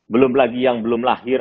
belum lagi yang belum lahir